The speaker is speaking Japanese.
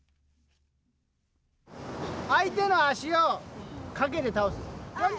相手の足をかけて倒す。